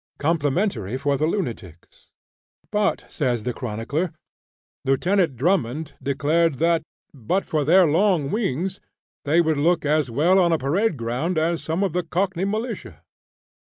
Complimentary for the Lunatics! But, says the chronicler, Lieutenant Drummond declared that "but for their long wings, they would look as well on a parade ground as some of the cockney militia!"